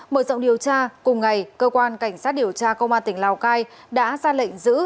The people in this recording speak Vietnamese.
mở rộng điều tra cùng ngày cơ quan cảnh sát điều tra công an tỉnh lào cai đã ra lệnh giữ